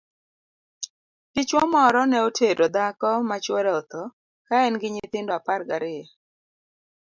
Dichwo moro ne otero dhako ma chwore otho ka en gi nyithindo apar gariyo.